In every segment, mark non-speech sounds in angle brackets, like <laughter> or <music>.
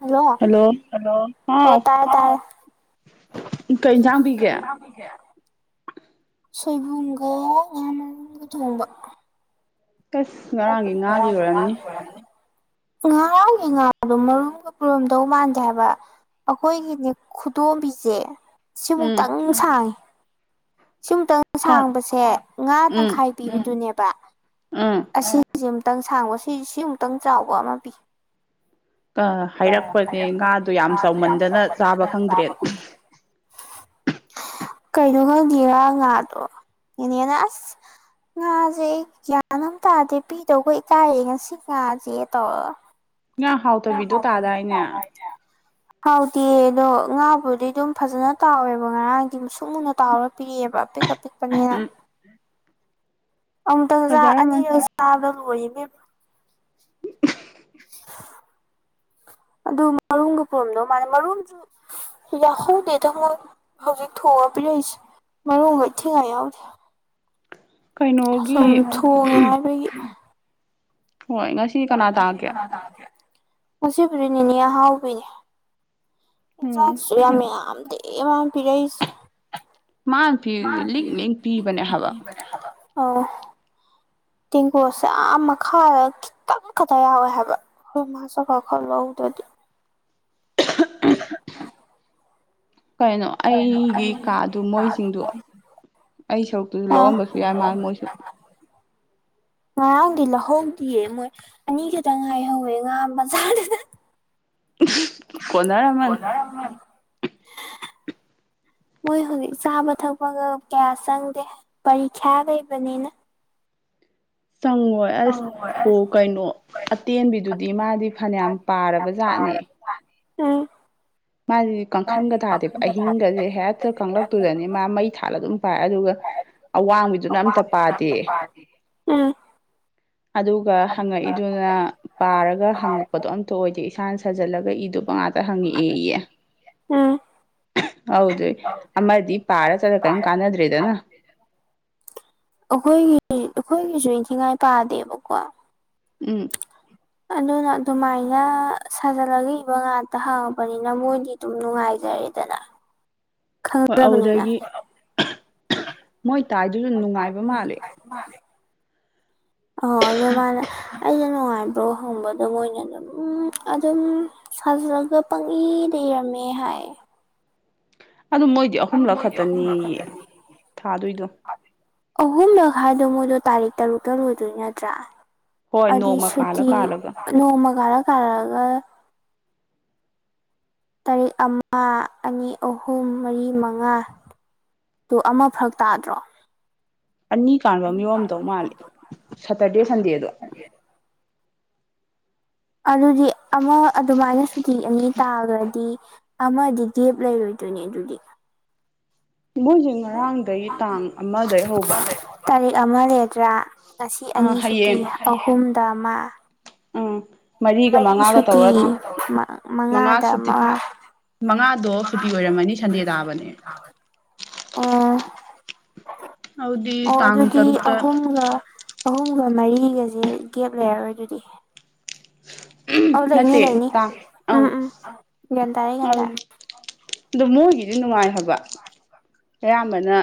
ꯍꯜꯂꯣꯂꯣ hello ꯑꯣ ꯍꯥꯎ ꯇꯥꯔꯦ ꯇꯥꯔꯦ꯫ ꯀꯩ ꯏꯟꯁꯥꯡ ꯄꯤꯒꯦ꯫ ꯁꯣꯏꯕꯨꯝꯒ ꯉꯥ ꯃꯔꯨꯝꯒ ꯊꯣꯡꯕ꯫ ꯀꯁ꯫ ꯅꯤ ꯂ ꯀꯅꯤ ꯉꯔꯥꯎꯏ ꯉꯥꯗꯣ ꯃꯔꯨꯝꯒ ꯄꯨꯔꯣꯝꯗꯧ ꯃꯥꯟꯁꯦ ꯍꯥꯏꯕ꯫ ꯑꯩꯈꯣꯏꯒꯤꯅꯦ ꯈꯨꯗꯣꯝꯕꯤꯁꯦ꯫ ꯎꯝ ꯁꯤꯃꯨꯛꯇꯪ ꯁꯥꯡꯉꯤ ꯁꯤꯃꯨꯛꯇꯪ ꯁꯥꯡꯕꯁꯦ ꯉꯥ ꯇꯪꯈꯥꯏ꯫ ꯄꯤꯕꯗꯨꯅꯦꯕ꯫ ꯑꯥ꯫ ꯑꯁꯤꯁꯤ ꯑꯃꯨꯛꯇꯪ ꯁꯥꯡꯕ ꯁꯤ ꯁꯤ ꯑꯃꯨꯛꯇꯪ ꯆꯥꯎꯕ ꯑꯃ ꯄꯤ꯫ ꯍꯥꯏꯔꯛꯄꯅꯦ ꯉꯥꯗꯣ ꯌꯥꯝ ꯆꯥꯎꯃꯟꯗꯅ ꯆꯥꯕ ꯈꯪꯗ꯭ꯔꯦ 'unintelligible' ꯀꯩꯅꯣ ꯈꯪꯒꯦꯔꯥ ꯉꯥꯗꯣ ꯏꯅꯦꯅꯦꯁ꯫ ꯉꯥꯁꯦ ꯑꯩ ꯒ꯭ꯌꯥꯟ ꯑꯃ ꯇꯥꯗꯦ ꯄꯤꯗꯧꯕ ꯏꯀꯥꯏꯌꯦ ꯉꯁꯤ ꯉꯥꯁꯦ ꯇꯧꯔ꯫ ꯉꯥ ꯉ ꯍꯥꯎꯇꯕꯤꯗꯣ ꯍꯥꯎꯗꯃꯦꯗꯤ ꯇꯥꯗꯥꯏꯅꯦ ꯇꯥꯗ ꯍꯥꯏꯇ ꯍꯥꯎꯗꯦ ꯑꯗꯣ ꯉꯥꯕꯨꯗꯤ ꯑꯗꯨꯝ ꯐꯖꯅ ꯇꯥꯎꯋꯦꯕ ꯉꯔꯥꯡꯗꯤ ꯃꯨ ꯁꯨꯛ ꯃꯨꯟꯅ ꯇꯥꯎꯔꯒ ꯄꯤꯔꯛꯑꯦꯕ ꯑꯄꯤꯛ ꯑꯄꯤꯛꯄꯅꯦꯅ ꯎꯝ ꯑꯃꯨꯛꯇꯪ ꯆꯥꯛ ꯐꯖꯔꯝꯃꯅꯤ ꯑꯅꯤꯒ ꯆꯥꯕ ꯂꯣꯏꯔꯦ ꯑꯦꯅꯦꯝꯃꯥ꯫ <unintelligible> ꯑꯗꯨ ꯃꯔꯨꯝꯒ ꯄꯨꯔꯝꯗꯧ ꯃꯥꯜꯂ ꯃꯔꯨꯝꯁꯨ__ ꯌꯥꯍꯧꯗꯦ ꯊꯃꯣꯏ ꯍꯧꯖꯤꯛ ꯊꯣꯡꯉꯕꯤꯔꯛꯏꯁꯦ ꯃꯔꯒ ꯏ ꯊꯤꯉꯥꯏ ꯌꯥꯎꯗꯦ꯫ ꯁꯣ ꯀꯩꯅꯣꯒꯤ ꯊꯣꯡꯉꯦ ꯍꯥꯏꯕꯒꯤ ꯍꯣꯏ ꯉꯁꯤ ꯀꯅꯥ ꯉꯁꯤ ꯇꯥꯒꯦ ꯀꯅꯥ ꯇꯥꯒꯦ ꯉꯥꯁꯤꯕꯨꯗꯤ ꯅꯤꯅꯦ ꯑꯍꯧꯕꯤꯅꯦ꯫ ꯎꯝ ꯆꯁꯨ ꯌꯥꯝ ꯑꯁ ꯌꯥꯝꯗ ꯄꯤꯔꯏꯁ ꯃꯥꯅ ꯄꯤ ꯂꯛ ꯂ ꯄꯤꯕꯅꯦ ꯍꯥꯏꯕ ꯑꯥ ꯇꯦꯡꯒꯨꯁꯦꯥ ꯃꯈꯥ ꯈꯤꯇꯪ ꯈꯛꯇ ꯌꯥꯎꯋꯦ ꯍꯥꯏꯕ ꯑꯩꯈꯣꯏ ꯃꯥꯁꯨ ꯈ ꯈꯔ ꯂꯧꯗ꯭ꯔꯗꯤ ꯀꯩꯅꯣ ꯀꯅ ꯑꯩꯒꯤ ꯑꯩ ꯀꯥꯗꯨ ꯀꯥꯗ ꯃꯣꯏꯁꯤꯡꯗꯨ ꯑꯩ ꯁꯔꯨꯛꯇꯨꯁꯨ ꯂꯧꯔꯝꯕꯁꯨ ꯌꯥꯏ ꯃꯥ ꯃꯣꯏꯁꯨ ꯑ ꯉꯔꯥꯡꯗꯤ ꯂꯧꯍꯧꯗꯤꯌꯦ ꯃꯣꯏ ꯑꯅꯤꯈꯛꯇꯪ ꯉꯥꯏꯍꯧꯋꯦ ꯉꯥ ꯕꯖꯥꯔꯗ <unintelligible> ꯀꯣꯟꯅꯔꯝꯃꯅꯤ ꯀꯅꯥ꯫ <unintelligible> ꯃꯣꯏ ꯍꯧꯖꯤꯛ ꯆꯥꯕ ꯊꯛꯄꯒ ꯀꯌꯥ ꯆꯪꯗꯦ ꯄꯔꯤꯈ꯭ꯌꯥ ꯂꯩꯕꯅꯤꯅ ꯇꯪꯑꯣꯏ꯫ ꯑꯁ ꯑꯣ ꯀꯩꯅꯣ ꯑꯇꯦꯟꯕꯤꯗꯨꯗꯤ ꯃꯥꯗꯤ ꯐꯅꯌꯥꯝ ꯄꯥꯔꯕ ꯖꯥꯠꯅꯦ꯫ ꯎꯝ ꯃꯥꯁꯤꯗꯤ ꯀꯥꯡꯈꯟꯒ ꯊꯥꯗꯦꯕ ꯑꯍꯤꯡꯒꯁꯦ ꯍꯦꯠ ꯀꯪꯂꯛꯇꯨꯗꯅꯦ ꯃꯥ ꯃꯩ ꯊꯥꯜꯂ ꯑꯗꯨꯝ ꯄꯥꯏ ꯑꯗꯨꯒ__ ꯑꯋꯥꯡꯕꯤꯗꯨꯅ ꯑꯝꯇ ꯄꯥꯗꯦ꯫ ꯎꯝ ꯑꯗꯨꯒ ꯍꯪꯉꯛꯏꯗꯨꯅ ꯄꯥꯔꯒ ꯍꯪꯉꯛꯄꯗꯣ ꯑꯝꯇ ꯑꯣꯏꯗꯦ ꯏꯁꯥꯅ ꯁꯥꯖꯜꯂꯒ ꯑꯗꯨꯒ ꯏꯗꯣ ꯃꯉꯥꯇ ꯍꯪꯉꯛꯑꯦ ꯏꯌꯦ꯫ ꯎꯝ ꯍꯧꯗꯣꯏ ꯑꯃꯗꯤ ꯄꯥꯔ ꯆꯠꯂ ꯀꯔꯤꯝ ꯀꯥꯟꯅꯗ꯭ꯔꯦꯗꯅ ꯑꯩꯈꯣꯏꯒꯤ ꯑꯩꯈꯣꯏꯒꯤꯁꯨ ꯏꯟꯊꯤꯉꯥꯏ ꯄꯥꯗꯦꯕꯀꯣ꯫ ꯎꯝ꯫ ꯑꯗꯨꯅ ꯑꯗꯨꯃꯥꯏꯅ ꯁꯥꯖꯜꯂꯒ ꯏꯕ ꯉꯥꯛꯇ ꯍꯥꯡꯉꯕꯅꯤꯅ ꯃꯣꯏꯗꯤ ꯑꯗꯨꯝ ꯅꯨꯡꯉꯥꯏꯖꯔꯦꯗꯅ ꯍꯣꯏ ꯈꯪꯖꯕꯅꯤꯅ ꯑꯗꯨꯗꯒꯤ ꯃꯣꯏ ꯇꯥꯏꯗꯨꯁꯨ ꯅꯨꯡꯉꯥꯏꯕ ꯃꯥꯜꯂꯦ ꯃꯥ 'unaudible' ꯑꯍꯣ ꯑꯗꯨ ꯃꯥꯅ ꯑꯩꯩꯅ ꯅꯨꯡꯉꯥꯏꯕ꯭ꯔꯣ ꯍꯪꯕꯗ ꯑꯣꯏꯅ ꯑꯗꯨꯝ ꯑꯗꯨꯝ ꯁꯥꯖꯔꯒ ꯄꯪꯏ ꯂꯩꯔꯝꯃꯦ ꯍꯥꯏ꯫ ꯑꯗꯨ ꯃꯣꯏꯗꯤ ꯑꯍꯨꯝꯂꯛ ꯈꯛꯇꯅꯤ ꯊꯥꯗꯣꯏꯗꯣ ꯑꯍꯨꯝꯂꯛ ꯍꯥꯏꯗꯣ ꯃꯣꯏꯗꯣ ꯇꯥꯔꯤꯛ ꯇꯔꯨꯛꯇ ꯂꯣꯏꯗꯣꯏ ꯅꯠꯇ꯭ꯔꯥ꯫ ꯍꯣꯏ ꯑꯗꯨꯗꯤ ꯅꯣꯡꯃ ꯀꯥꯜꯂ ꯁꯨꯇꯤ ꯀꯥꯜꯂꯒ ꯅꯣꯡꯃ ꯀꯥꯔ ꯀꯥꯔꯛꯑꯒ꯫ ꯇꯔꯦꯛ ꯑꯃ ꯑꯅꯤ ꯑꯍꯨꯝ ꯃꯔꯤ ꯃꯉꯥ ꯇꯣ ꯑꯃ ꯐꯔꯛ ꯇꯥꯗ꯭ꯔꯣ꯫ ꯑꯅꯤ ꯀꯥꯟꯕ ꯃꯤꯌꯣꯝ ꯇꯧ ꯃꯥꯂꯦ ꯁꯇꯔꯗꯦ ꯁꯟꯗꯦꯗꯣ꯫ ꯑꯗꯨꯗꯤ ꯑꯃ ꯑꯗꯨꯃꯥꯏꯅ ꯁꯨꯇꯤꯑꯅꯤ ꯇꯥꯔꯗꯤ__ ꯑꯃꯗꯤ ꯒꯦꯞ ꯂꯩꯔꯣꯏꯗꯣꯏꯅꯦ ꯑꯗꯨꯗꯤ ꯃꯣꯏꯁꯦ ꯉꯔꯥꯡꯗꯒꯤ ꯇꯥꯡ ꯑꯃꯗꯩ ꯍꯧꯕ ꯇꯥꯔꯤꯛ ꯑꯃ ꯂꯩꯗ꯭ꯔꯥ ꯉꯁꯤ ꯑꯥ ꯑꯅꯤ ꯁꯨꯇꯤ ꯍꯌꯦꯡ ꯑꯍꯨꯝꯗ ꯑꯃ ꯑꯥ ꯃꯔꯤꯒ ꯃꯔꯤ ꯃꯉꯥꯒ ꯁꯨꯇꯤ ꯇꯧꯔ ꯃꯉꯥ ꯃꯉꯥꯗ ꯁꯨꯇꯤ ꯑꯃ ꯃꯉꯥꯗꯣ ꯁꯨꯇꯤ ꯑꯣꯏꯔꯝꯃꯅꯤ ꯁꯟꯗꯦ ꯇꯥꯕꯅꯦ꯫ ꯑꯣ ꯑꯗꯨꯗꯤ ꯑꯣ ꯇꯥꯡ ꯑꯗꯨꯗꯤ ꯇꯔꯨꯛꯇ ꯑꯍꯨꯝꯒ꯫ ꯑꯍꯨꯝꯒ ꯃꯔꯤꯒꯁꯦ ꯒꯦꯞ ꯂꯩꯔꯔꯣꯏ ꯑꯗꯨꯗꯤ꯫ ꯑ ꯂꯩꯅꯤ ꯅꯠꯇꯦ ꯂꯩꯅꯤ ꯇꯥꯡ ꯑꯥ ꯎꯝ ꯎꯝ ꯒꯦꯟꯗꯥꯔꯦ ꯒꯦꯟꯗꯥꯔꯦ꯫ ꯑꯗꯨ ꯃꯣꯏꯒꯤꯗꯤ ꯅꯨꯡꯉꯥꯏ ꯍꯥꯏꯕ ꯑꯌꯥꯝꯕꯅ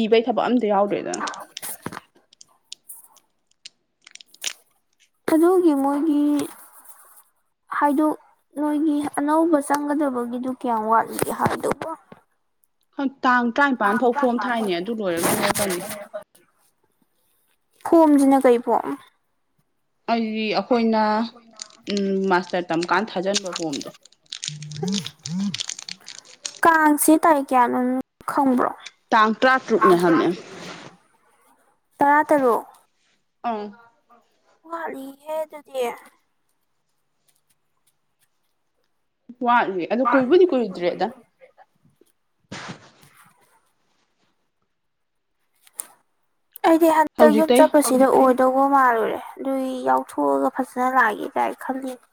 ꯏꯕꯩ ꯊꯕꯛ ꯑꯝꯇ ꯌꯥꯎꯗ꯭ꯔꯦꯗꯅ꯫ ꯑꯗꯨꯒꯤ ꯃꯣꯏꯒꯤ__ ꯍꯥꯏꯗꯣ ꯅꯣꯏꯒꯤ ꯑꯅꯧꯕ ꯆꯪꯒꯗꯕꯒꯤꯗꯨ ꯀꯌꯥꯝ ꯋꯥꯠꯂꯤꯒꯦ ꯍꯥꯏꯗꯧꯕ ꯍ ꯇꯥꯡ ꯇꯔꯥꯅꯤꯄꯥꯟ ꯐꯥꯎ ꯐꯣꯝ ꯊꯥꯏꯅꯦ ꯑꯗꯨ ꯂꯣꯏꯔꯒ ꯍꯥꯏꯔꯛꯀꯅꯤ 'unintelligible' ꯈꯣꯝꯖꯤꯅ ꯀꯩ ꯐꯣꯝ ꯑꯩꯗꯤ ꯑꯩꯈꯣꯏꯅ ꯃꯥꯁꯇꯔ ꯇꯝꯀꯥꯟꯗ ꯊꯥꯖꯟꯕ ꯐꯣꯝꯗꯣ ꯀꯥꯡꯁꯦ ꯇꯥꯔꯤꯛ ꯀꯌꯥꯅꯣ ꯅ ꯈꯪꯕ꯭ꯔꯣ ꯇꯥꯡ ꯇ꯭ꯔꯥ ꯇ꯭ꯔꯨꯛꯅꯦ ꯍꯥꯏꯝꯅꯦ <inaudible> ꯇꯔꯥ ꯇꯔꯨꯛ ꯑꯧ ꯋꯥꯠꯂꯤꯍꯦ ꯑꯗꯨꯗꯤ ꯋꯥꯠꯂꯤ ꯑꯗꯣ ꯀꯨꯏꯕꯨꯗꯤ ꯀꯨꯏꯗ꯭ꯔꯦꯗ ꯑꯩꯗꯤ ꯍꯟꯗꯛ ꯌꯨꯝ ꯍꯧꯖꯤꯛꯇꯩ ꯆꯠꯄ ꯁꯤꯗ ꯑꯣꯏꯗꯧꯕ ꯃꯥꯜꯂꯨꯔꯦ ꯑꯗꯨꯏ ꯌꯥꯎꯊꯣꯛꯑꯒ ꯐꯖꯅ ꯂꯥꯛꯒꯦ ꯀꯥꯏ ꯈꯜꯂꯤꯅꯤ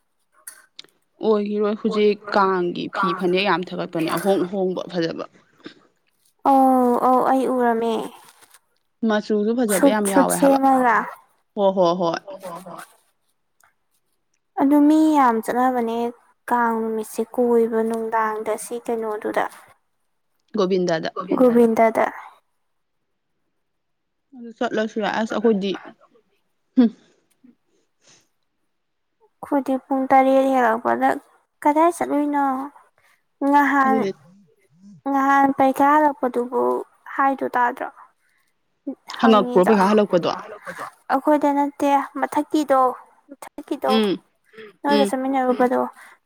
ꯑꯣꯏꯒꯤꯔꯣꯏ ꯍꯧꯖꯤꯛ ꯀꯥꯡꯒꯤ ꯐꯤ ꯐꯅꯦꯛ ꯌꯥꯝ ꯊꯥꯒꯠꯄꯅꯦ ꯑꯍꯣꯡ ꯑꯍꯣꯡꯕ ꯐꯖꯕ꯫ ꯑꯧ ꯑꯧ ꯑꯩ ꯎꯔꯝꯃꯦ ꯃꯆꯨꯁꯨ ꯐꯖꯕ ꯁꯨꯠ ꯌꯥꯝ ꯁꯨꯠ ꯌꯥꯎꯋꯦ ꯍꯥꯏꯕ ꯁꯦꯝꯃꯒ ꯍꯣ ꯍꯣꯏ ꯍꯣꯏ ꯑꯗꯨ ꯃꯤ ꯌꯥꯝ ꯆꯠꯅꯕꯅꯦ ꯀꯥꯡ ꯅꯨꯃꯤꯠꯁꯦ ꯀꯣꯏꯕ ꯅꯨꯡꯗꯥꯡꯗ ꯁꯤ ꯀꯩꯅꯣꯗꯨꯗ ꯒꯣꯕꯤꯟꯗꯗ ꯒꯣꯕꯤꯟꯗꯗ ꯑꯗꯨ ꯆꯠꯂꯁꯨ ꯌꯥꯏ ꯑꯁ ꯑꯩꯈꯣꯏꯗꯤ ꯍꯨꯝ ꯑꯈꯣꯢꯗꯤ ꯄꯨꯡ ꯇꯔꯦꯠ ꯍꯦꯜꯂꯛꯄꯗ ꯀꯗꯥꯏ ꯆꯠꯂꯨꯏꯅꯣ ꯉꯍꯥꯟ ꯑꯗꯨꯗꯤ ꯉꯍꯥꯟ ꯄꯩꯈꯥ ꯍꯜꯂꯛꯄꯗꯨꯕꯨ ꯍꯥꯏꯗꯣ ꯇꯥꯗ꯭ꯔꯣ꯫ ꯍꯪꯉꯛꯄ꯭ꯔꯣ ꯍꯪꯉꯤꯗꯣ ꯄꯩꯈꯥ ꯍꯜꯂꯛꯄꯗꯣ ꯑꯈꯣꯏꯗ ꯅꯠꯇꯦ ꯃꯊꯛꯀꯤꯗꯣ ꯃꯊ ꯛꯀꯤꯗꯣ ꯎꯝ ꯅꯣꯏꯒ ꯎꯝ ꯆꯠꯃꯤꯟꯅꯔꯨꯕꯗꯣ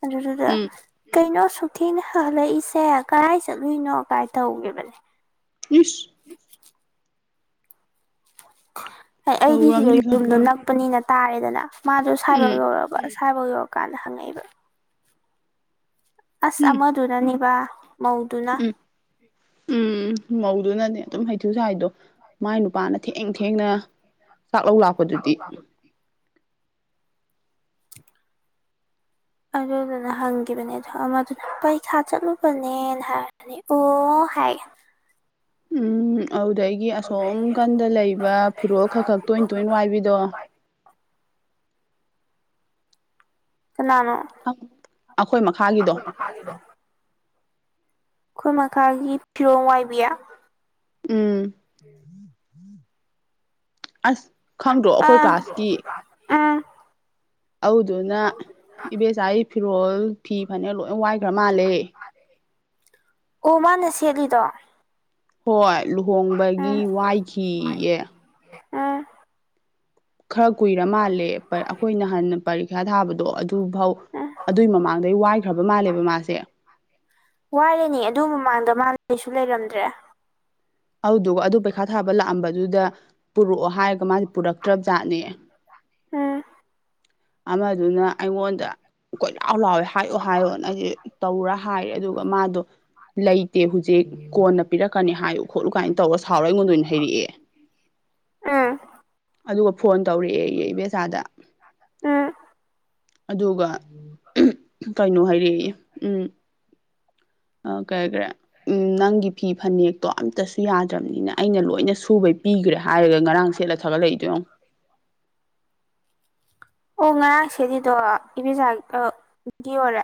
ꯑꯗꯨꯗꯨꯗ ꯎꯝ ꯀꯩꯅꯣ ꯑꯁꯨꯛ ꯊꯦꯡꯅ ꯍꯜꯂꯛꯏꯁꯦ ꯀꯔꯥꯏ ꯆꯠꯂꯨꯏꯅꯣ ꯀꯥꯏ ꯇꯧꯒꯤꯕꯅꯦ ꯏꯁ ꯍ ꯑꯩꯗꯤ ꯁꯤꯗ ꯇꯧꯔꯝꯅꯤ ꯈꯪ ꯌꯨꯝꯗꯣ ꯅꯞꯄꯅꯤꯅ ꯇꯥꯔꯦꯗꯅ ꯃꯥꯗꯣ ꯎꯝ ꯁꯥꯏꯕꯧ ꯌꯧꯔꯕ ꯁꯥꯢꯕꯧ ꯌꯧꯔꯀꯥꯟꯗ ꯍꯪꯉꯛꯏꯕ ꯑꯁ ꯎꯝ ꯑꯃꯗꯨꯅꯅꯤꯕ ꯃꯧꯗꯨꯅ ꯎꯝ ꯎꯝ ꯃꯧꯗꯨꯅꯅꯦ ꯑꯗꯨꯝ ꯍꯩꯊꯨ ꯁꯥꯏꯗꯣ ꯃꯥꯏ ꯅꯨꯄꯥꯅ ꯊꯦꯡ ꯊꯦꯡꯅ ꯆꯥꯛ ꯂꯧ ꯂꯥꯛꯄꯗꯨꯗꯤ ꯑꯗꯨꯗꯨꯅ ꯍꯪꯒꯤꯕꯅꯦ ꯑꯗꯣ ꯑꯃꯗꯨꯅ ꯄꯩꯈꯥ ꯆꯠꯂꯨꯕꯅꯦꯅ ꯍꯥꯏꯔꯅꯤ꯫ ꯑꯣ... ꯍꯥꯏ ꯎꯝ ꯑꯗꯨꯗꯒꯤ ꯑꯁꯣꯝ ꯀꯟꯗ ꯂꯩꯕ ꯐꯤꯔꯣꯜ ꯈꯛ ꯈꯛ ꯇꯣꯏ ꯇꯣꯏꯅ ꯋꯥꯏꯕꯤꯗꯣ ꯀꯅꯥꯅꯣ ꯑꯈꯣꯏ ꯃꯈꯥꯒꯤꯗꯣ ꯈꯥꯒꯤꯗꯣ ꯑꯈꯣꯏ ꯃꯈꯥꯒꯤ ꯐꯤꯔꯣꯟ ꯋꯥꯏꯕꯤ ꯎꯝ ꯑꯁ ꯈꯪꯗ꯭ꯔꯣ ꯑꯈꯣꯏ ꯑꯥ ꯀ꯭ꯂꯥꯁꯀꯤ ꯎꯝ ꯑꯧꯗꯨꯅ ꯏꯕꯦꯆꯥꯒꯤ ꯐꯤꯔꯣꯜ ꯐꯤ ꯐꯅꯦꯛ ꯂꯣꯏ ꯋꯥꯏꯒ꯭ꯔꯥ ꯃꯥꯜꯂꯦ ꯑꯣ ꯃꯥꯅ ꯁꯦꯠꯂꯤꯗꯣ ꯍꯣꯏ ꯂꯨꯍꯣꯡꯕꯒꯤ ꯎꯝ ꯋꯥꯏꯈꯤꯑꯌꯦ ꯎꯝ ꯈꯔ ꯀꯨꯏꯔ ꯃꯥꯜꯂꯦ ꯑꯈꯣꯏ ꯅꯍꯥꯟꯅ ꯄꯔꯤꯈ꯭ꯌꯥ ꯊꯥꯕꯗꯣ ꯑꯗꯨꯚꯧ ꯎꯝ ꯑꯗꯨꯏ ꯃꯃꯥꯡꯗꯩ ꯋꯥꯏꯈ꯭ꯔꯕ ꯃꯥꯜꯂꯦꯕ ꯃꯥꯁꯦ꯫ ꯋꯥꯏꯔꯤꯅꯦ ꯑꯗꯨ ꯃꯃꯥꯡꯗ ꯃꯥ ꯂꯩꯁꯨ ꯂꯩꯔꯝꯗ꯭ꯔꯦ ꯑꯧꯗꯨꯒ ꯑꯗꯨ ꯄꯩꯈꯥ ꯊꯥꯕ ꯂꯥꯛꯑꯝꯕꯗꯨꯗ ꯄꯨꯔꯛꯑꯣ ꯍꯥꯏꯔꯒ ꯃꯥꯖꯦ ꯄꯨꯔꯛꯇ꯭ꯔꯕ ꯖꯥꯠꯅꯦ ꯎꯝ ꯑꯃꯗꯨꯅ ꯑꯩꯉꯣꯟꯗ ꯀꯣꯏ ꯂꯥꯎ ꯂꯥꯎꯋꯦ ꯍꯥꯏꯌꯣ ꯍꯥꯏꯌꯣꯅ ꯑꯩꯖꯦ ꯇꯧꯔꯥ ꯍꯥꯏ ꯑꯗꯨꯒ ꯃꯥꯗꯣ ꯂꯩꯇꯦ ꯍꯧꯖꯤꯛ ꯀꯣꯟꯅ ꯄꯤꯔꯛꯀꯅꯤ ꯍꯥꯏꯌꯨ꯫ ꯈꯣꯠꯂꯨ ꯀꯥꯏꯅ ꯇꯧꯔꯒ ꯁꯥꯎꯔ ꯑꯩꯉꯣꯟꯗ ꯑꯣꯏꯅ ꯍꯩꯔꯛꯑꯦ ꯎꯝ ꯑꯗꯨ꯫ ꯐꯣꯟ ꯇꯧꯔꯛꯑꯦ ꯑꯩ ꯏ ꯕꯦꯆꯥꯥꯗ ꯎꯝ ꯑꯗꯨꯒ꯫ ꯀꯩꯅꯣ ꯍꯥꯏꯔꯛꯦ ꯎꯝ꯫ ꯑ ꯀꯦ ꯀ꯭ꯔꯦ꯫ ꯎꯝ ꯅꯪꯒꯤ ꯐꯤ ꯐꯅꯦꯛꯇꯣ ꯑꯝꯇꯁꯨ ꯌꯥꯗ꯭ꯔꯕꯅꯤꯅ ꯑꯩꯅ ꯂꯣꯏꯅ ꯁꯨꯕꯩ ꯄꯤꯈ꯭ꯔꯦ ꯍꯥꯏꯔꯒ ꯉꯔꯥꯡ ꯁꯦꯠꯂ꯫ ꯊꯥꯒꯠ ꯂꯛꯏꯗꯨ ꯌꯦꯡꯎ꯫ <inaudible> ꯑꯣ ꯉꯔꯥꯡꯁꯦꯗꯤꯗꯣ ꯏꯕꯦꯖꯥꯛꯒꯤ ꯑꯣꯏꯔꯦ꯫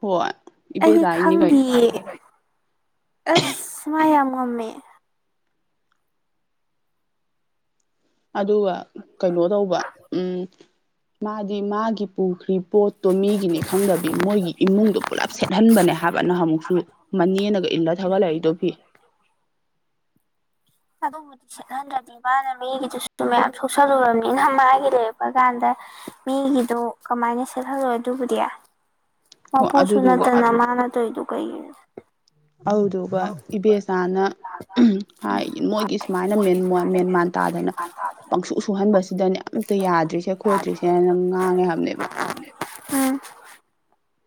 ꯍꯣꯏ꯫ ꯑꯩꯗꯤ ꯏꯕꯦꯆꯥꯒꯤꯅꯤ ꯀꯩꯅꯣ ꯈꯪꯗꯤꯌꯦ ꯑꯁ ꯃ ꯌꯥꯝ ꯉꯝꯃꯦ꯫ ꯑꯗꯨꯒ ꯀꯩꯅꯣ ꯇꯧꯕ ꯎꯝ ꯃꯥꯗꯤ ꯃꯥꯒꯤ ꯄꯨꯈ꯭ꯔꯤ꯫ ꯄꯣꯠꯇꯣ ꯃꯤꯒꯤꯅꯤ ꯈꯪꯗꯕꯤ ꯃꯣꯏꯒꯤ ꯏꯃꯨꯡꯗꯣ ꯄꯨꯂꯞ ꯁꯦꯠꯍꯟꯕꯅꯦ ꯍꯥꯏꯕꯅ ꯑꯃꯨꯛꯁꯨ꯫ ꯃꯅꯦ ꯅꯒ ꯏꯂ ꯊꯒꯂ ꯏꯗꯣ ꯐꯤ꯫ ꯀꯗꯣ <unintelligible> ꯈꯦꯠꯍꯟꯗ꯭ꯔꯗꯤ ꯃꯥꯅ ꯃꯤꯒꯤꯗꯨꯁꯨ ꯃꯌꯥꯝ ꯁꯣꯛꯆꯜꯂꯨꯔꯕꯅꯤꯅ ꯃꯥꯒꯤ ꯂꯩꯔꯛꯄ ꯀꯥꯟꯗ꯫ ꯃꯤꯒꯤꯗꯣ ꯀꯃꯥꯏꯅ ꯁꯦꯠꯍꯜꯂꯣꯏ ꯑꯗꯨꯕꯨꯗꯤ꯫ ꯍꯣ ꯃꯄꯨꯁꯨ ꯑꯗꯨꯗꯨꯒ ꯅꯠꯇꯅ ꯃꯥ ꯅꯠꯇꯣꯏꯗꯨ ꯀꯩꯒꯤꯅꯣ꯫ ꯑꯧꯗꯨ꯫ ꯑꯗꯨꯒ ꯏꯕꯦꯆꯥꯅ ꯍꯥꯏ ꯃꯣꯏꯒꯤ ꯁꯨꯃꯥꯏꯅ ꯃꯦꯟ ꯃꯦꯟ ꯃꯥꯟ ꯇꯥꯗꯅ꯫ ꯄꯪꯁꯨꯛ ꯁꯨꯍꯟꯕꯁꯤꯗꯅꯦ ꯑꯝꯇ ꯌꯥꯗ꯭ꯔꯤꯁꯦ ꯈꯣꯠꯇ꯭ꯔꯤꯁꯦ ꯅꯪ ꯉꯥꯡꯉꯦ ꯍꯥꯏꯕꯅꯦꯕ꯫ ꯎꯝ꯫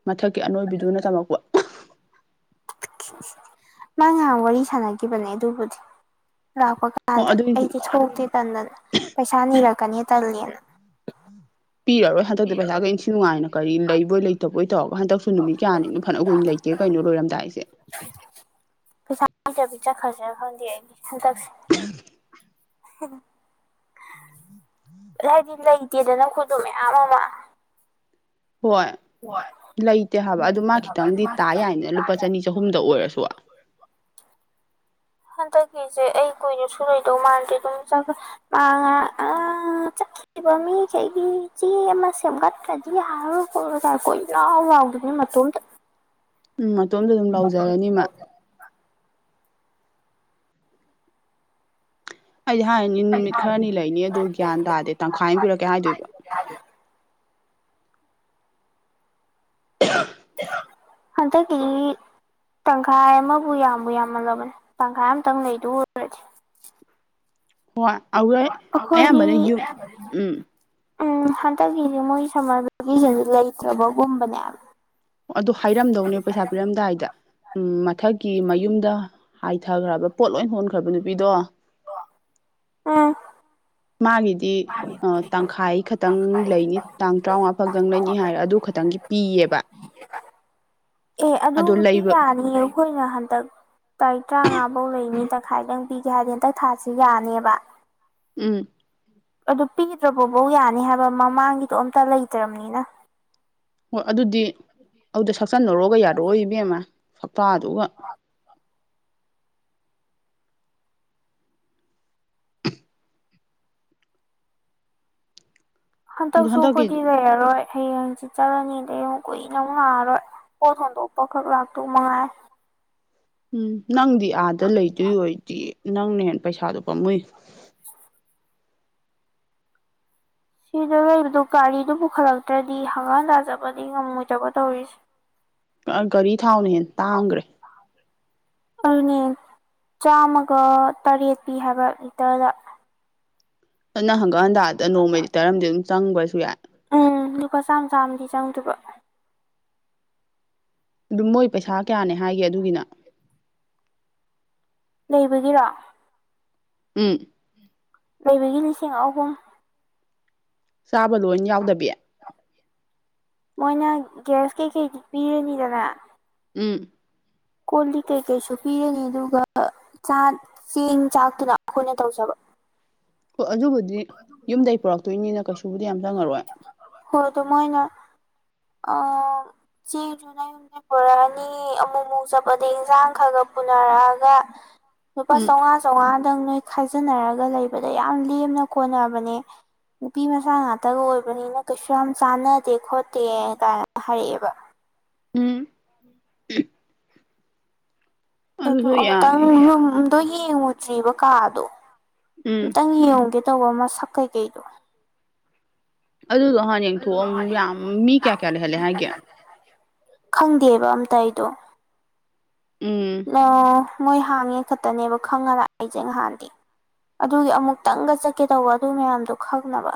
ꯃꯊꯛꯀꯤ ꯑꯅꯣꯏꯕꯤꯗꯨꯅ ꯇꯝꯃꯛꯄ꯫ ꯃꯥ ꯉꯍꯥꯡ ꯋꯥꯔꯤ ꯁꯥꯟꯅꯈꯤꯕꯅꯦ ꯑꯗꯨꯕꯨꯗꯤ ꯂꯥꯛꯄ꯫ ꯑꯣ ꯀꯥꯟꯗ ꯑꯗꯨꯏ ꯑꯩꯗꯤ ꯊꯣꯛꯇꯦ ꯇꯟꯗꯅ ꯄꯩꯁꯥ ꯅꯤꯔꯛꯀꯅꯤ ꯇꯜꯂꯦꯅ꯫ ꯄꯤꯔꯣꯏ ꯍꯟꯗꯛꯇꯤ ꯄꯩꯁꯥꯒ ꯏꯟꯁꯤ ꯅꯨꯡꯉꯥꯏꯅ ꯀꯔꯤ ꯂꯩꯕꯣꯏ ꯂꯩꯇꯦ꯫ ꯇꯧꯕꯣꯏ ꯇꯧꯔꯒ ꯍꯟꯗꯛꯁꯨ ꯅꯨꯃꯤꯠ ꯀꯌꯥꯅꯤꯅ ꯐꯅ ꯀꯨꯏꯅ ꯂꯩꯇꯦ ꯀꯩꯅꯣ ꯂꯣꯏꯔꯝꯗꯥꯏꯁꯦ꯫ ꯄꯩꯁꯥꯖꯕꯤ ꯆꯠꯈ꯭ꯔꯁꯅ ꯐꯪꯗꯦ ꯑꯩꯗꯤ ꯍꯟ꯫ ꯍꯥꯏꯗꯤ ꯂꯩꯇꯦꯗꯅ ꯑꯩꯏꯗꯣ ꯃꯌꯥꯝ ꯑꯃ꯫ ꯍꯣꯏ ꯂꯩꯇꯦ ꯍꯥꯏꯕ ꯑꯗꯨ ꯃꯥ ꯈꯤꯇꯪꯗꯤ ꯇꯥ ꯌꯥꯏꯗꯅ ꯂꯨꯄꯥ ꯆꯅꯤ ꯆꯍꯨꯝꯗ ꯑꯣꯏꯔꯁꯨ꯫ ꯍꯟꯗꯛꯀꯤꯁꯦ ꯑꯩ ꯀꯨꯏꯔꯁꯨ ꯂꯩꯏꯗꯧ ꯃꯥꯟꯗ꯭ꯔꯦ ꯑꯗꯨꯝ ꯆ ꯃꯉ꯫ <unintelligible> ꯃꯤꯈꯩꯒꯤ ꯆꯦꯝꯒꯠꯇꯔꯗꯤ ꯌꯔꯔꯣꯏ ꯀꯣꯠꯂꯔꯣꯏ ꯫ ꯂꯥꯎꯥꯒꯤꯕꯅꯤ ꯃꯇꯣꯝꯇ꯫ ꯎꯝ ꯃꯇꯣꯝꯗ ꯑꯗꯨꯝ ꯂꯥꯎꯖꯔꯅꯤꯃꯥ꯫ ꯑꯩꯗꯤ ꯍꯥꯏꯅꯤ ꯅꯨꯃꯤꯠ ꯈꯔꯅꯤ ꯂꯩꯅꯤ ꯑꯗꯨꯗꯣ ꯒ꯭ꯌꯥꯟ ꯇꯥꯔꯗꯤ ꯇꯪꯈꯥꯏ ꯑꯃ ꯄꯤꯔꯛꯀꯦ ꯍꯥꯏꯗꯣꯏꯕ꯫ <inaudible> ꯍꯟꯗꯛꯒꯤ꯫ ꯇꯪꯈꯥꯏ ꯑꯃꯕꯨ ꯌꯥꯝꯕꯨ ꯌꯥꯝꯃꯜꯂꯕꯅꯤ ꯇꯪꯈꯥꯏ ꯑꯃꯇꯪ ꯂꯩꯗꯨ ꯑꯣꯏꯔꯗꯤ꯫ ꯍꯣꯏ ꯑꯩꯈꯣꯏꯗꯤ ꯑꯌꯥꯝꯕꯅ ꯌꯨꯝ ꯎꯝ꯫ ꯎꯝ ꯍꯟꯗꯛꯀꯤꯁꯦ ꯃꯣꯏ ꯁꯝꯃꯔ ꯚꯦꯀꯦꯁꯟꯁꯦ ꯂꯩꯇ꯭ꯔꯕꯒꯨꯝꯕꯅꯦ꯫ ꯑꯗꯨ ꯍꯥꯏꯔꯝꯗꯧꯅꯦ ꯄꯩꯁꯥ ꯄꯤꯔꯝꯗꯥꯏꯗ꯫ ꯎꯝ ꯃꯊꯛꯀꯤ ꯃꯌꯨꯝꯗ ꯍꯥꯏꯊꯈ꯭ꯔꯕ ꯄꯣꯠ ꯂꯣꯏ ꯍꯣꯟꯈ꯭ꯔꯕ ꯅꯨꯄꯤꯗꯣ꯫ ꯎꯝ ꯃꯥꯒꯤꯗꯤ ꯑ ꯇꯪꯈꯥꯏ ꯈꯛꯇ꯫ ꯈꯤꯇꯪ ꯂꯩꯅꯤ ꯇꯥꯡ ꯇꯔꯥꯃꯉꯥ ꯈꯛꯇꯪ ꯂꯩꯅꯤ ꯍꯥꯏꯔ ꯑꯗꯨ ꯈꯛꯇꯪꯒꯤ ꯄꯤꯌꯦꯕ꯫ ꯑꯦ ꯑꯗꯣ ꯑꯗꯨꯕꯨꯗꯤ ꯂꯩꯕ ꯌꯥꯅꯤꯌꯦ ꯑꯩꯈꯣꯏꯅ ꯍꯟꯗꯛ__ ꯇꯥꯔꯤꯛ ꯇꯔꯥꯃꯉꯥꯐꯧ ꯂꯩꯅꯤ ꯇꯪꯈꯥꯏꯗꯪ ꯄꯤꯒꯦ ꯍꯥꯏꯔꯗꯤ ꯍꯟꯇꯛ ꯊꯥꯥꯁ ꯌꯥꯅꯦꯕ꯫ ꯎꯝ꯫ ꯑꯗꯨ ꯄꯤꯗ꯭ꯔꯕꯕꯧ ꯌꯥꯅꯤ ꯍꯥꯏꯕ ꯃꯃꯥꯡꯒꯤꯗꯣ ꯑꯝꯇ ꯂꯩꯇ꯭ꯔꯕꯅꯤꯅ꯫ ꯍꯣꯏ ꯑꯗꯨꯗꯤ ꯑꯗꯨꯗ ꯁꯛꯆꯟꯅꯔꯣꯒ ꯌꯥꯔꯛꯑꯣ ꯏꯕꯦꯝꯃ ꯁꯛꯇꯇꯥꯗꯨꯒ꯫ ꯑꯗꯣ ꯍꯟꯇꯛꯁꯨ ꯍꯟꯗꯛꯀꯤ ꯈꯣꯏꯗꯤ ꯂꯩꯔꯔꯣꯏ꯫ ꯍꯌꯦꯡꯁꯤ ꯆꯠꯂꯅꯤꯗ ꯑꯃꯨꯛ ꯀꯨꯏꯅ ꯑꯃꯨꯛ ꯉꯥꯉꯔꯣꯏ ꯄꯣꯠ ꯍꯣꯟꯗꯣꯛꯄꯈꯛ ꯂꯥꯛꯇꯨ ꯃꯉꯥꯏ ꯎꯝ ꯅꯪꯗꯤ ꯑꯥꯗ ꯂꯩꯗꯣꯏ ꯑꯣꯏꯗꯤ ꯅꯪꯅ ꯍꯦ ꯄꯩꯁꯥꯗꯣ ꯄꯝꯃꯨꯏ ꯁꯤꯗ ꯂꯩꯕꯗꯣ ꯒꯥꯔꯤꯗꯨ ꯄꯨꯈꯠꯂꯛꯇ꯭ꯔꯗꯤ ꯍꯪꯒꯥꯥꯟ ꯇꯥꯖꯕꯗꯤ ꯉꯝꯃꯣꯏꯗꯕ ꯇꯧꯔꯤꯁꯦ ꯒꯥꯔꯤ ꯊꯥꯎꯅ ꯍꯦ ꯇꯥꯡꯈ꯭ꯔꯦ ꯑꯗꯨꯅꯦ ꯆꯥꯝꯃꯒ ꯇꯔꯦꯠ ꯄꯤ ꯍꯥꯏꯕ ꯂꯤꯇꯔꯗ ꯑꯗꯨꯅ ꯍꯪꯒꯥꯛ ꯍꯟꯇꯥꯗ ꯅꯣꯡꯃꯩꯗꯤ ꯇꯥꯔꯝꯗꯤ ꯑꯗꯨꯝ ꯆꯪꯕꯁꯨ ꯌꯥꯏ ꯎꯝ ꯂꯨꯄꯥ ꯆꯥꯝꯃ ꯆꯥꯝꯃꯗꯤ ꯆꯪꯗꯕ ꯑꯗꯨꯝ ꯃꯣꯏ ꯄꯩꯁꯥ ꯀꯌꯥꯅꯦ ꯍꯥꯏꯒꯦ ꯑꯗꯨꯒꯤꯅ ꯂꯩꯕꯒꯤꯔꯣ ꯎ ꯅꯩꯕꯒꯤ ꯂꯤꯁꯤꯡ ꯑꯍꯨꯝ ꯆꯥꯕ ꯂꯣꯏ ꯌꯥꯎꯗꯕꯤ ꯃꯣꯏꯅ ꯒ꯭ꯌꯥꯁ ꯀꯩꯀꯩ ꯄꯤꯔꯅꯤꯗꯅ ꯎꯝ ꯀꯣꯂꯤ ꯀꯩꯀꯩꯁꯨ ꯄꯤꯔꯅꯤ ꯑꯗꯨꯒ ꯆ ꯆꯦꯡ ꯆꯥꯛꯇꯨꯅ ꯑꯩꯈꯣꯏꯅ ꯇꯧꯖꯕ ꯑꯣ ꯑꯗꯨꯕꯨꯗꯤ ꯌꯨꯝꯗꯒꯤꯩ ꯄꯨꯔꯛꯇꯣꯏꯅꯤꯅ ꯀꯩꯁꯨꯕꯨꯗꯤ ꯌꯥꯝ ꯆꯪꯉꯔꯣꯏ ꯍꯣꯏ ꯑꯗꯨꯣ ꯃꯣꯏꯅ ꯑ ꯆꯅ ꯔꯥꯅꯤ ꯃꯣꯃꯣ ꯆꯄꯗꯩ ꯏꯟꯁꯥꯡ ꯈꯔꯒ ꯄꯨꯅꯔꯛꯑꯒ ꯂꯨꯄꯥ ꯎꯝ ꯆꯥꯝꯃꯉꯥ ꯆꯥꯃꯉꯥꯗꯪ ꯅꯣꯏ ꯈꯥꯏꯖꯤꯟꯅꯔꯒ ꯂꯩꯕꯗ ꯌꯥꯝ ꯂꯦꯝꯅ ꯀꯣꯟꯅꯕꯅꯦ ꯅꯨꯄꯤ ꯃꯆꯥ ꯉꯥꯛꯇꯒ ꯑꯣꯏꯕꯅꯤꯅ ꯀꯩꯁꯨ ꯌꯥꯝ ꯆꯥꯟꯅꯗꯦ ꯈꯣꯠꯇꯦ ꯀꯥꯏꯅ ꯍꯥꯏꯔꯛꯑꯦꯕ ꯎꯝ ꯑꯗꯨ ꯑꯗꯨꯁꯨ ꯑꯃꯨꯛꯇꯪ ꯌꯥꯏ ꯌꯨꯝꯗꯣ ꯌꯦꯡꯉꯨꯖꯦꯕ ꯀꯥꯗꯣ ꯎꯝ ꯑꯨꯛꯇꯪ ꯌꯦꯡꯉꯨꯒꯦ ꯇꯧꯕ ꯃꯁꯛ ꯀꯩꯀꯩꯗꯣ ꯑꯗꯨꯗꯣ ꯍꯥꯟ ꯌꯦꯡꯊꯣꯛꯑꯝ ꯌꯥꯝ ꯃꯤ ꯀꯌꯥ ꯀꯌꯥ ꯂꯩꯍꯜꯂꯦ ꯍꯥꯏꯒꯦ ꯈꯪꯗꯦꯕ ꯑꯝꯇ ꯑꯩꯗꯣ ꯎꯝ ꯑꯣ ꯃꯣꯏ ꯍꯥꯡꯉꯦ ꯈꯛꯇꯅꯦꯕ ꯈꯪꯉꯔ ꯑꯩꯁꯦ ꯉꯍꯥꯟꯗꯤ ꯑꯗꯨꯒꯤ ꯑꯃꯨꯛꯇꯪꯒ ꯆꯠꯀꯦ ꯇꯧꯕ ꯑꯗꯨ ꯃꯌꯥꯝꯗꯣ ꯈꯪꯅꯕ